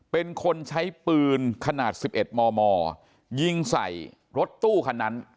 เป็นคนใช้ปืนขนาด๑๑มมยิงใส่รถตู้คันนั้น